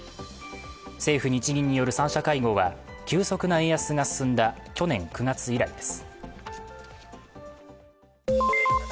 政府・日銀による３者会合は急速な円安が進んだ去年９月以来です。